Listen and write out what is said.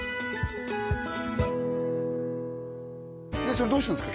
それどうしたんですか？